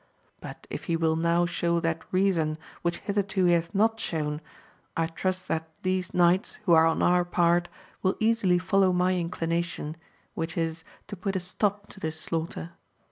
But if he will now show that reason. which hitherto he hath not shown, I trust that these knights, who are on our part, ^vill easily follow my inclination, which is to put a stop to this slaughter.